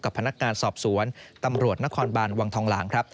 พนักงานสอบสวนตำรวจนครบานวังทองหลางครับ